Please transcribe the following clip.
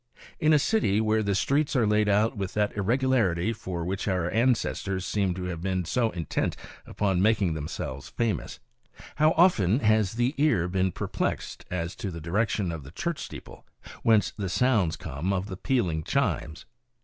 In a city where the streets are laid out with that irregularity for which our ancestors seem to have been so intent upon making themselves famous, how often has the ear been perplexed as to the direction of the church steeple whence the sounds come of the pealing chimes